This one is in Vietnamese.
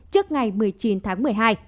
trước ngày một mươi chín tháng một mươi hai